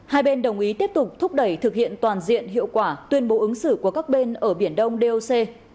hai bên đồng ý tiếp tục thúc đẩy thực hiện toàn diện hiệu quả tuyên bố ứng xử của các bên ở biển đông doc